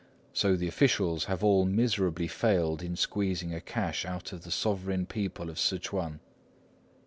So the officials have all miserably failed in squeezing a cash out of the 'sovereign people' of Ssŭch'uan."